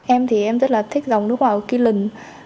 em thì em rất là thích dòng nước hoa ở kỳ lần